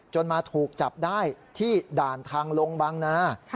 มาถูกจับได้ที่ด่านทางลงบางนา